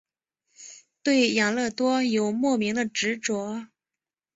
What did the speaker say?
对养乐多有莫名的执着。